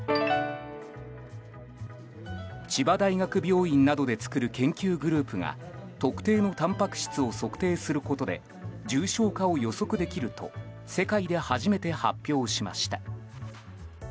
千葉大学病院などで作る研究グループが特定のたんぱく質を測定することで重症化を予測できると世界で初めて発表しました。